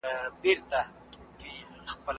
د کوچني سترګې پټې دي او خوب وړی دی.